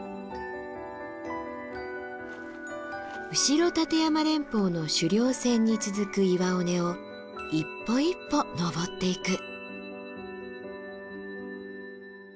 後立山連峰の主稜線に続く岩尾根を一歩一歩登っていく。